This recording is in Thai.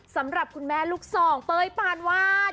สำหรับคุณแม่ลูกสองเป้ยปานวาด